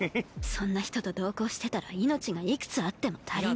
そんな人と同行してたら命がいくつあっても足りな。